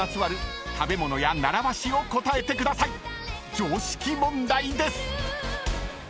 ［常識問題です］